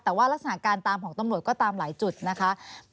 แต่ว่ารักษณะการตามของตำรวจก็ตามหลายจุดนะคะ